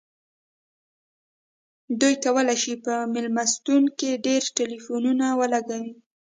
دوی کولی شي په میلمستون کې ډیر ټیلیفونونه ولګوي